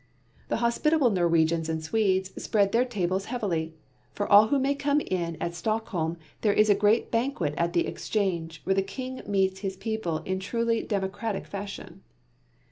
The hospitable Norwegians and Swedes spread their tables heavily; for all who may come in at Stockholm there is a grand banquet at the Exchange, where the king meets his people in truly democratic fashion.